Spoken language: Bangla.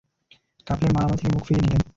কাফেলার মালামাল থেকে মুখ ফিরিয়ে নিলেন।